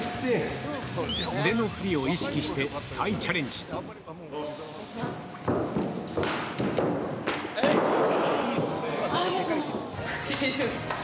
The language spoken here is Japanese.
腕の振りを意識して再チャレいきます。